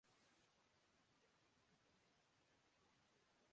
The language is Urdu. اوریہ وہ جو اتا ترک ترکی میں لایا۔